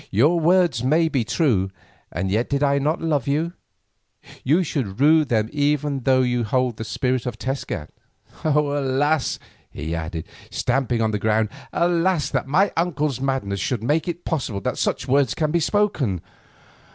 "Your words may be true, and yet did I not love you, you should rue them even though you hold the spirit of Tezcat. Alas!" he added, stamping on the ground, "alas! that my uncle's madness should make it possible that such words can be spoken.